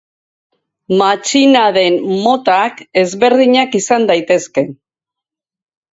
Matxinaden motak ezberdinak izan daitezke.